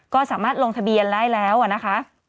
ก็สามารถลงทะเบียนได้แล้วนะคะ